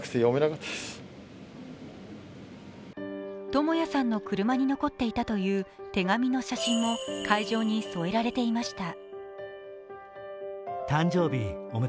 智也さんの車に残っていたという手紙の写真も会場に添えられていました。